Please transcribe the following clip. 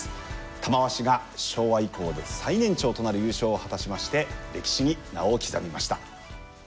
玉鷲が昭和以降で最年長となる優勝を果たしまして歴史に名を刻みました。